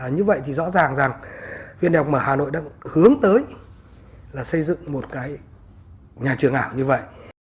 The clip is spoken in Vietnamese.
như vậy thì rõ ràng rằng viên đại học mở hà nội đang hướng tới là xây dựng một cái nhà trường ảo như vậy